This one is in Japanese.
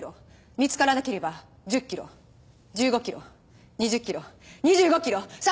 見つからなければ１０キロ１５キロ２０キロ２５キロ３０。